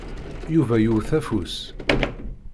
Yuba yewwet afus.